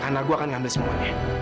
karena gue akan ngambil semuanya